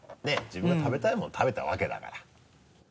自分が食べたいもの食べたわけだから。